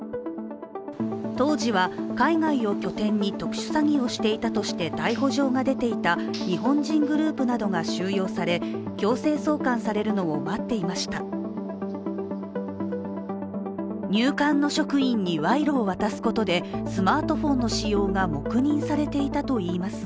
当時は、海外を拠点に特殊詐欺をしていたとして逮捕状が出ていた、日本人グループなどが収容され強制送還されるのを待っていました。